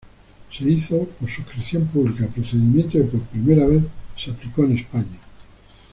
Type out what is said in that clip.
Se hizo por suscripción pública, procedimiento que por primera vez se aplicó en España.